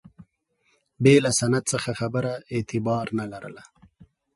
بې له سند څخه خبره اعتبار نه لرله.